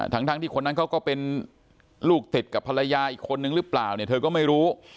ทั้งที่คนนั้นเขาก็เป็นลูกติดกับภรรยาอีกคนนึงหรือเปล่าเนี่ยเธอก็ไม่รู้